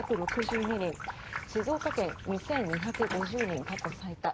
静岡県は２２５０人、過去最多。